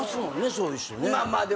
そういう人ね。